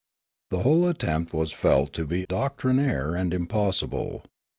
The whole attempt was felt to be doctrinaire and impossible.